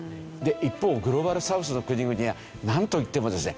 一方グローバルサウスの国々はなんといってもですね